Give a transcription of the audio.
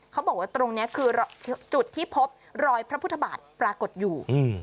เขาบอกว่าตรงนี้คือจุดที่พบรอยพระพุทธบาทปรากฏอยู่